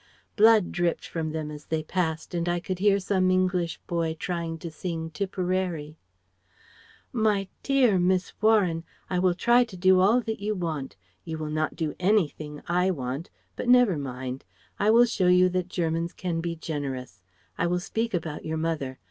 Blood dripped from them as they passed, and I could hear some English boy trying to sing 'Tipperary '" "My tear Miss Warren I will try to do all that you want You will not do anything I want, but never mind. I will show you that Germans can be generous. I will speak about your mother.